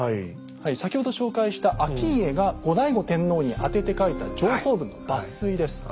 先ほど紹介した顕家が後醍醐天皇に宛てて書いた上奏文の抜粋です。